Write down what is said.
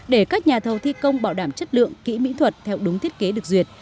để các nhà thầu thi công bảo đảm chất lượng kỹ mỹ thuật theo đúng thiết kế được duyệt